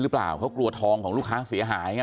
หรือเปล่าเขากลัวทองของลูกค้าเสียหายไง